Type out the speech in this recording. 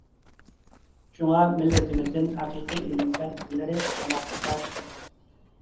شۇڭا مىللىتىمىزدىن ھەقىقىي ئىلىم-پەن ئىگىلىرى ساناقلىقلا چىقىدۇ.